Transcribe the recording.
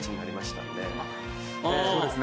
そうですね。